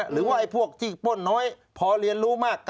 หรือว่าพวกที่ป้นน้อยพอเรียนรู้มาก